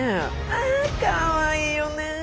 あかわいいよね。